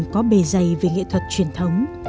có bề dày về nghệ thuật truyền thống